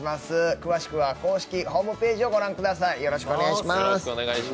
詳しくは公式ホームページを御覧ください。